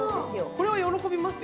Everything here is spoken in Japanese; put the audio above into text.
これは喜びますよ。